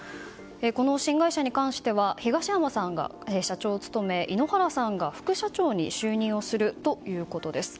この新会社に関しては東山さんが社長を務め井ノ原さんが副社長に就任をするということです。